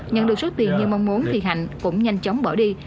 nhận được số tiền như mong muốn thì hạnh cũng nhanh chóng bỏ đi